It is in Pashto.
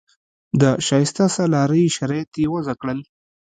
د شایسته سالارۍ شرایط یې وضع کړل.